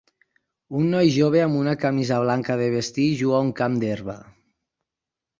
Un noi jove amb una camisa blanca de vestir juga a un camp d'herba.